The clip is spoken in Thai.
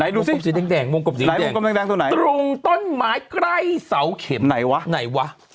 ไหนดูซิวงกลมสีแดงตรงต้นไม้ใกล้เสาเข็มไหนวะไหน